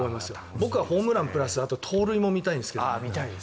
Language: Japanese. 僕はホームランプラス盗塁も見たいんですけどね。